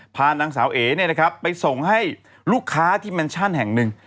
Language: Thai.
พาน้องสาวเอ๋เนี่ยนะครับไปส่งให้ลูกค้าที่แมนชั่นแห่งหนึ่ง